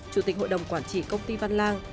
chủ tịch hội đồng quản trị công ty văn lang